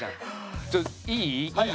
ちょっといい？いい？